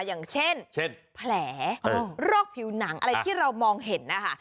อย่างเช่นเช่นแผลโรคผิวหนังอะไรที่เรามองเห็นนะคะ